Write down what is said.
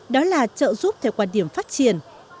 đó là trợ giúp theo quan điểm phát triển